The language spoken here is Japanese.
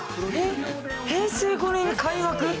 平成５年に開幕？